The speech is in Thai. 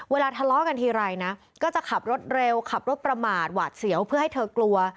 ทะเลาะกันทีไรนะก็จะขับรถเร็วขับรถประมาทหวาดเสียวเพื่อให้เธอกลัว